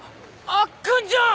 アッくんじゃん！